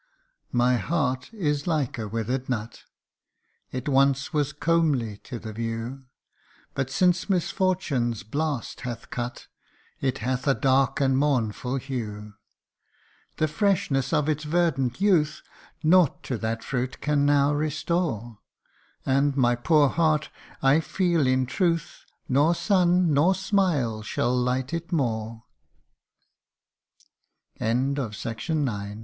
179 My heart is like a withered nut It once was comely to the view ; But since misfortune's blast hath cut, It hath a dark and mournful hue. The freshness of its verdant youth Nought to that fruit can now restore ; And my poor heart, I feel in truth, Nor sun, nor smi